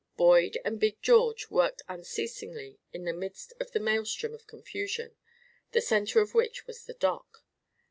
Boyd and Big George worked unceasingly in the midst of a maelstrom of confusion, the centre of which was the dock.